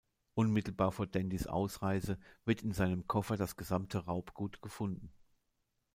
Unmittelbar vor Dandys Ausreise wird in seinem Koffer das gesamte Raubgut gefunden.